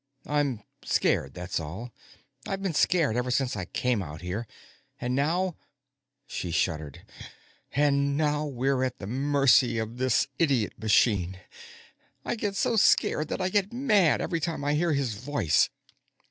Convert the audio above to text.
"I'm scared, that's all. I've been scared ever since I came out here. And now " She shuddered. "And now we're at the mercy of this idiot machine. I get so scared that I get mad, every time I hear his voice."